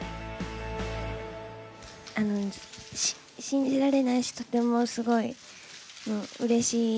信じられないしとてもすごいうれしいです。